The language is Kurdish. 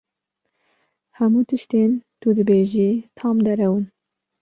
Hemû tiştên tu dibêjî tam derew in!